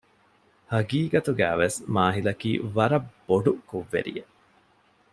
ހަގީގަތުގައިވެސް މާހިލަކީ ވަރަށް ބޮޑު ކުށްވެރިއެއް